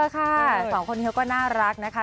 ค่ะสองคนเขาก็น่ารักนะคะ